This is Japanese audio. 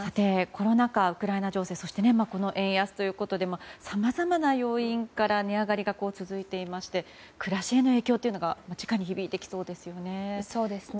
コロナ禍、ウクライナ情勢そして円安ということでさまざまな要因から値上がりが続いていまして暮らしへの影響というのが直に響いてきそうですよね。